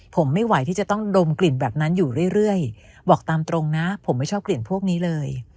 ผมไม่ไหวที่จะต้องดมกลิ่นแบบนั้นอยู่เรื่อยบอกตามตรงนะผมไม่ชอบกลิ่นพวกนี้เลย